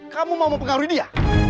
kamu mau mengaruhi dia